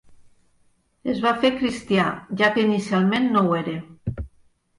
Es va fer cristià, ja que inicialment no ho era.